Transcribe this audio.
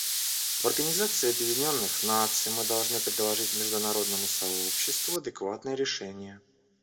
В Организации Объединенных Наций мы должны предложить международному сообществу адекватные решения.